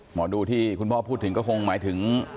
หมอดูที่คุณพ่อพูดถึงก็คงหมายถึง